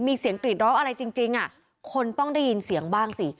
มีเสียงกรีดร้องอะไรจริงคนต้องได้ยินเสียงบ้างสิ